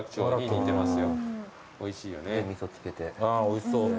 おいしそう。